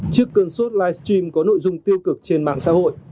chiếc cơn suốt live stream có nội dung tiêu cực trên mạng xã hội